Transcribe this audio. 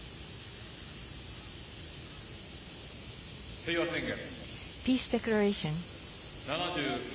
平和宣言。